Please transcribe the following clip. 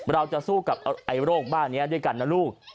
เราจะสู้กับโรคบ้านนี้ด้วยกันนะลูก